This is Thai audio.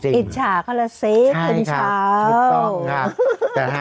อิจฉาเขาละสิคุณชาว